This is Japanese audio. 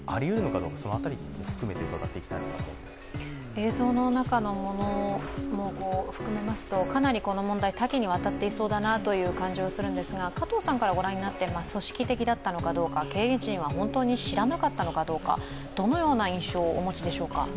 映像の中のものを含めますと、かなりこの問題、多岐にわたっていそうだなという感じはするんですが、加藤さんからご覧になって組織的だったのかどうか、経営陣は本当に知らなかったのかどうか、どのような印象をお持ちでしょうか。